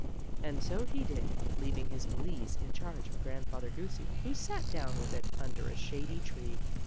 And go he did, leaving his valise in charge of Grandfather Goosey, who sat down with it, under a shady tree.